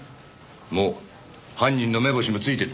もう犯人の目星もついてる。